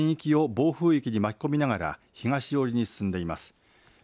全域を暴風域に巻き込みながら東寄りに進んでいます。